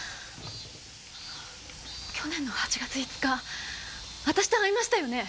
去年の８月５日私と会いましたよね？